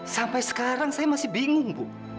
sampai sekarang saya masih bingung bu